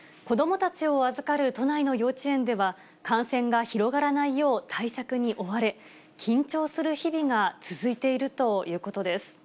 子どもたちを預かる都内の幼稚園では、感染が広がらないよう対策に追われ、緊張する日々が続いているということです。